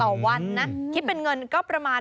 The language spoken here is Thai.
วันนะคิดเป็นเงินก็ประมาณ